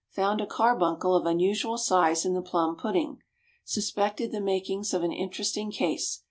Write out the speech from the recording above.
Found a carbuncle of unusual size in the plum pudding. Suspected the makings of an interesting case.